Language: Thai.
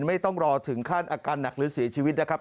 ไม่ต้องรอถึงขั้นอาการหนักหรือเสียชีวิตนะครับ